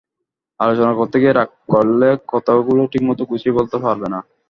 আলোচনা করতে গিয়ে রাগ করলে কথাগুলো ঠিকমতো গুছিয়ে বলতে পারবে না।